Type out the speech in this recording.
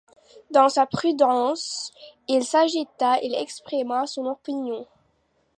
Dans sa prudence, il s’agita, il exprima son opinion.